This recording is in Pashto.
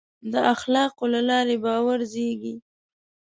د اخلاقو له لارې باور زېږي.